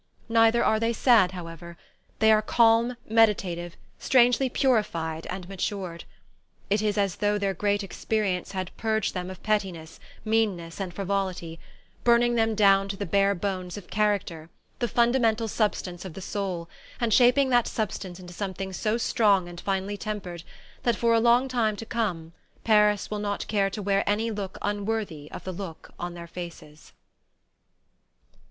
Neither are they sad, however. They are calm, meditative, strangely purified and matured. It is as though their great experience had purged them of pettiness, meanness and frivolity, burning them down to the bare bones of character, the fundamental substance of the soul, and shaping that substance into something so strong and finely tempered that for a long time to come Paris will not care to wear any look unworthy of the look on their faces.